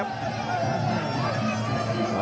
อย่าค่ะ